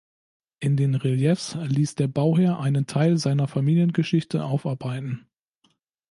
In den Reliefs ließ der Bauherr einen Teil seiner Familiengeschichte aufarbeiten.